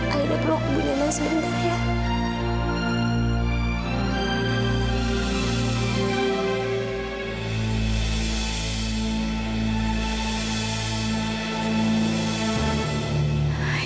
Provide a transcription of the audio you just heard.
aida peluk ibu nilai sebentar ya